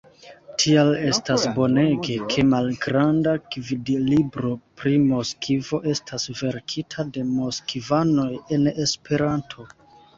Tial estas bonege, ke Malgranda gvidlibro pri Moskvo estas verkita de moskvanoj en Esperanto.